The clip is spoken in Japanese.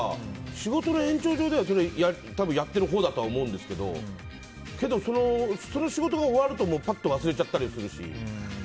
仕事の延長上でやってるほうだと思うんですけどでも、その仕事が終わるとパッと忘れちゃったりするし。